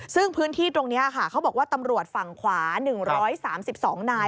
ซึ่งพื้นที่ตรงนี้ค่ะเขาบอกว่าตำรวจฝั่งขวา๑๓๒นาย